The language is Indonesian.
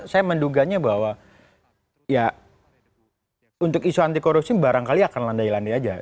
saya menduganya bahwa ya untuk isu anti korupsi barangkali akan landai landai aja